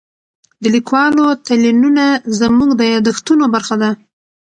د لیکوالو تلینونه زموږ د یادښتونو برخه ده.